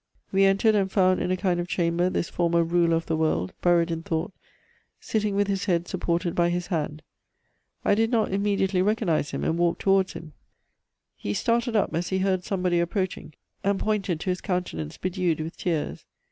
We entered and found in a kind of chamber this former ruler of the world buried in thought, sitting with his head supported by his hand. I did not immediately recognise him, and walked towards him. He started up as he heard somebody approaching, and pointed to his countenance bedewed with tears.